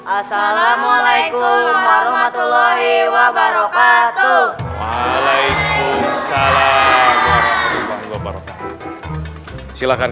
assalamualaikum warahmatullahi wabarakatuh waalaikumsalam warahmatullahi wabarakatuh